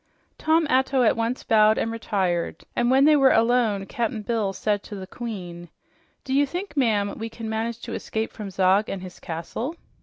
Tom Atto at once bowed and retired, and when they were done, Cap'n Bill said to the queen, "Do you think, ma'am, we can manage to escape from Zog and his castle?"